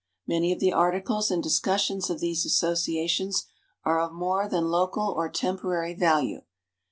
Many of the articles and discussions of these associations are of more than local or temporary value.